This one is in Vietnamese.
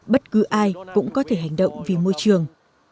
bất cứ ai cũng có thể hành động vì môi trường